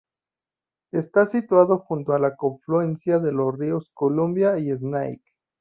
Está situado junto a la confluencia de los ríos Columbia y Snake.